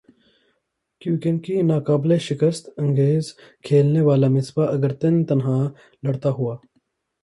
کیونکہکی ناقابل شکست اننگز کھیلنے والا مصباح اگر تن تنہا لڑتا ہوا